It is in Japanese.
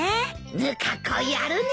ぬか子やるね。